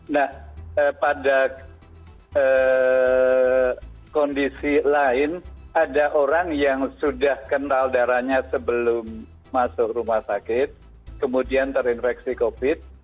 nah pada kondisi lain ada orang yang sudah kenal darahnya sebelum masuk rumah sakit kemudian terinfeksi covid